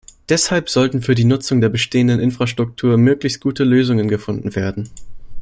Deshalb sollten für die Nutzung der bestehenden Infrastruktur möglichst gute Lösungen gefunden werden.